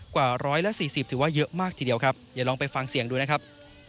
กว่าร้อยละสี่สิบถือว่าเยอะมากทีเดียวครับอย่าลองไปฟังเสียงดูนะครับ